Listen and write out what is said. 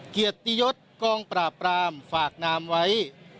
เกียรติยศกองปราบปรามฝากนามไว้